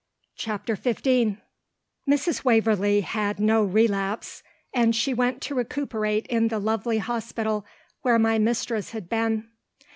CHAPTER XV POOR AMARILLA Mrs. Waverlee had no relapse, and she went to recuperate in the lovely hospital where my mistress had been.